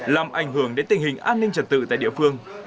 làm ảnh hưởng đến tình hình an ninh trật tự tại địa phương